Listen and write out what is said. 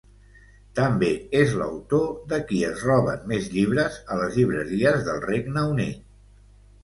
També és l'autor de qui es roben més llibres a les llibreries del Regne Unit.